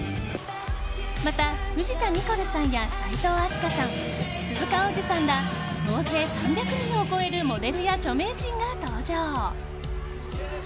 また、藤田ニコルさんや齋藤飛鳥さん、鈴鹿央士さんら総勢３００人を超えるモデルや著名人が登場。